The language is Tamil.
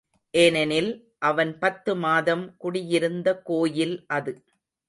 ஏனெனில், அவன் பத்து மாதம் குடியிருந்த கோயில் அது.